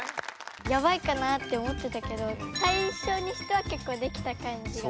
やばいかなって思ってたけど最初にしてはけっこうできた感じが。